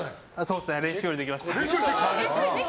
練習よりできました。